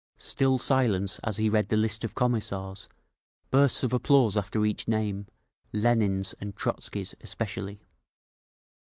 Still silence; as he read the list of Commissars, bursts of applause after each name, Lenin's and Trotzky's especially.